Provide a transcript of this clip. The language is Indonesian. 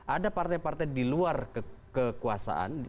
ada partai partai di luar kekuasaan